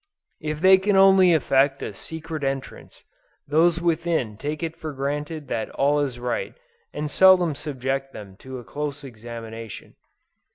If they can only effect a secret entrance, those within take it for granted that all is right, and seldom subject them to a close examination.